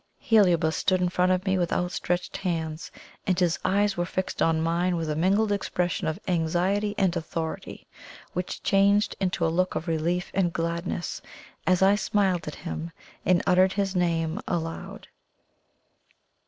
Heliobas stood in front of me with outstretched hands, and his eyes were fixed on mine with a mingled expression of anxiety and authority, which changed into a look of relief and gladness as I smiled at him and uttered his name aloud.